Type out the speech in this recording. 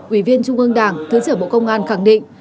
ủy viên trung ương đảng thứ trưởng bộ công an khẳng định